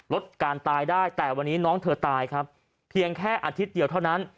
ลดการตายได้แต่วันนี้น้องเธอตายครับเพียงแค่อาทิตย์เดียวเท่านั้น